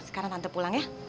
sekarang tante pulang ya